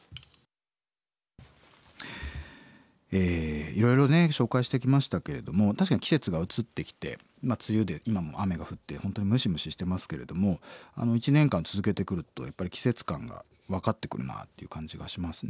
えいろいろね紹介してきましたけれども確かに季節が移ってきてまあ梅雨で今も雨が降って本当にムシムシしてますけれども１年間続けてくるとやっぱり季節感が分かってくるなっていう感じがしますね。